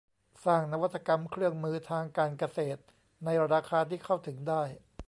สร้างนวัตกรรมเครื่องมือทางการเกษตรในราคาที่เข้าถึงได้